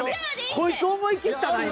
こいつ思い切ったな今。